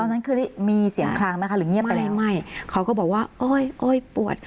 นั้นคือได้มีเสียงคลังไหมคะหรือเงียบไปแล้วไม่เขาก็บอกว่าโอ้ยโอ้ยปวด